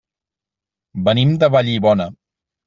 Venim de Vallibona.